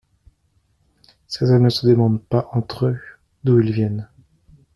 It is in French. Ces hommes ne se demandent pas entre eux d'où ils viennent.